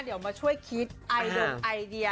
เดี๋ยวมาช่วยคิดไอดงไอเดีย